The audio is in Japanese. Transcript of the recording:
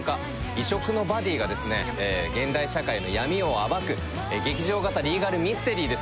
異色のバディがですね現代社会の闇を暴く劇場型リーガルミステリーです。